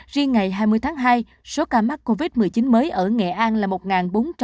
riêng ngày hai mươi tháng hai số ca mắc covid một mươi chín mới ở nghệ an là một bốn trăm sáu mươi bảy ca